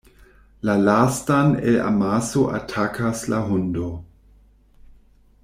La lastan el amaso atakas la hundo.